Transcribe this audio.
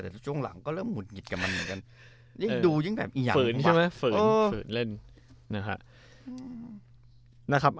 แต่ช่วงหลังก็เริ่มหุ่นหยิดกับมันเหมือนกันยิ่งดูยิ่งแบบอีกอย่าง